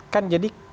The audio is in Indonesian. kan jadi soalnya